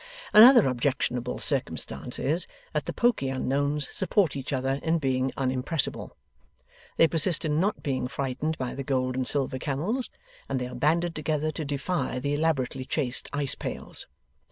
Another objectionable circumstance is, that the pokey unknowns support each other in being unimpressible. They persist in not being frightened by the gold and silver camels, and they are banded together to defy the elaborately chased ice pails.